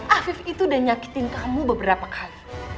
afif itu udah nyakitin kamu beberapa kali